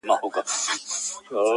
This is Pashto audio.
نه مي پل سي څوک په لاره کي میندلای-